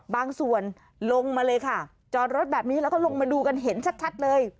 บางส่วนลงมาเลยค่ะจอดรถแบบนี้แล้วก็ลงมาดูกันเห็นชัดเลย